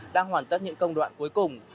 đang hoàn tất những công đoạn cuối cùng